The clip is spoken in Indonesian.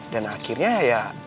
dan akhirnya ya